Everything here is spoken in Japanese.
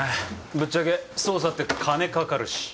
ぶっちゃけ捜査って金かかるし。